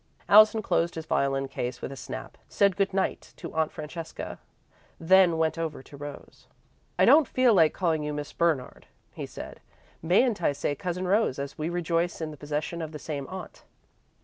Allison closed his violin case with a snap, said good night to Aunt Francesca, then went over to Rose. "I don't feel like calling you 'Miss Bernard," he said. "Mayn't I say 'Cousin Rose,' as we rejoice in the possession of the same Aunt?"